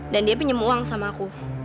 dan dia pinjam uang sama aku